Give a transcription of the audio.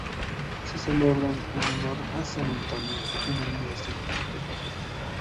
Se celebran en honor de San Antonio en el mes de junio.